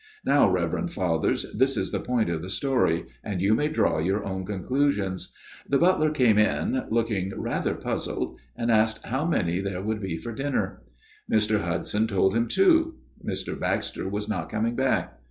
" Now, Reverend Fathers, this is the point of the story, and you may draw your own conclusions. The butler came in, looking rather puzzled, and asked how many there would be for dinner. Mr. Hudson told him two : Mr. Baxter was not coming back.